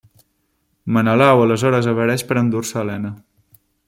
Menelau aleshores apareix per endur-se Helena.